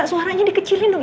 sa suaranya dikecilin dong